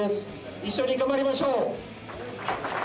一緒に頑張りましょう！